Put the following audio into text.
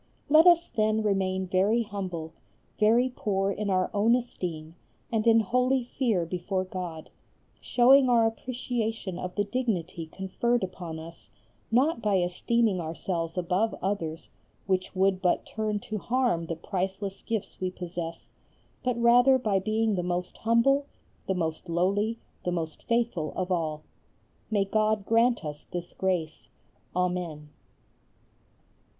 Let us then remain very humble, very poor in our own esteem, and in holy fear before God, showing our appreciation of the dignity conferred upon us not by esteeming ourselves above others, which would but turn to harm the priceless gifts we possess, but rather by being the most humble, the most lowly, the most faithful of all. May God grant us this grace! Amen.